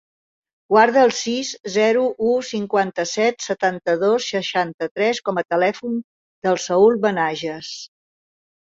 Guarda el sis, zero, u, cinquanta-set, setanta-dos, seixanta-tres com a telèfon del Saül Benaiges.